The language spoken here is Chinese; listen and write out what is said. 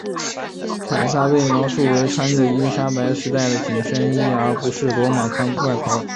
凯撒被描述为穿着伊丽莎白时代的紧身衣而不是罗马宽外袍。